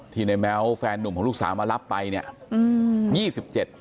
ในแม้วแฟนหนุ่มของลูกสาวมารับไปเนี่ยอืมยี่สิบเจ็ด